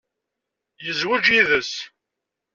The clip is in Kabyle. Yezweǧ yid-s.